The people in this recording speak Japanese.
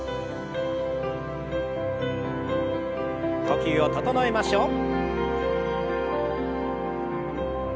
呼吸を整えましょう。